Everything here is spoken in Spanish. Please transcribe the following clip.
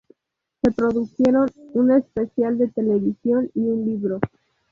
Se produjeron un especial de televisión y un libro.